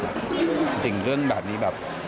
จริงเรื่องแบบนี้แบบ